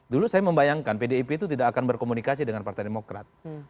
dulu saya membayangkan pdip itu tidak akan berkomunikasi dengan partai demokrat